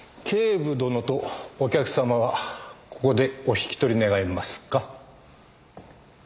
警部殿とお客様はここでお引き取り願えますか？